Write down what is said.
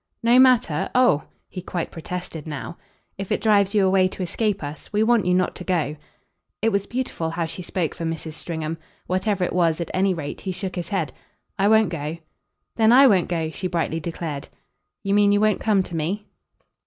"No matter? Oh!" he quite protested now. "If it drives you away to escape us. We want you not to go." It was beautiful how she spoke for Mrs. Stringham. Whatever it was, at any rate, he shook his head. "I won't go." "Then I won't go!" she brightly declared. "You mean you won't come to me?"